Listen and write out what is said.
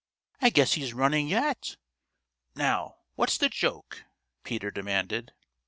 I guess he's running yet. Now, what's the joke?" Peter demanded.